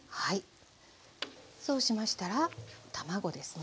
そうしましたら卵ですね。